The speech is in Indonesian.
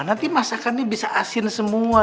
nanti masakannya bisa asin semua